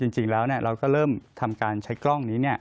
จริงแล้วเราก็เริ่มทำการใช้กล้องนี้